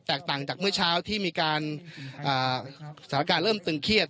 ต่างจากเมื่อเช้าที่มีการสถานการณ์เริ่มตึงเครียด